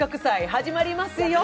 始まりますよ。